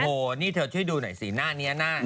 โอ้โหนี่เธอช่วยดูหน่อยสิหน้านี้หน้า